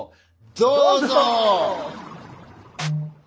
どうぞ！